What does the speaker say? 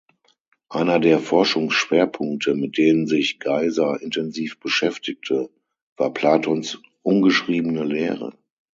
Einer der Forschungsschwerpunkte, mit denen sich Gaiser intensiv beschäftigte, war Platons ungeschriebene Lehre.